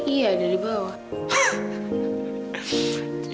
iya dari bawah